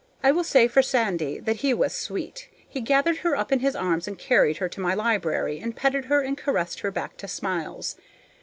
I will say for Sandy that he was SWEET. He gathered her up in his arms and carried her to my library, and petted her and caressed her back to smiles.